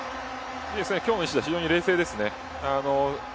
今日の西田非常に冷静ですね。